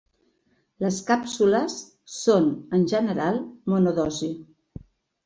Les càpsules són, en general, monodosi.